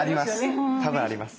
多分あります。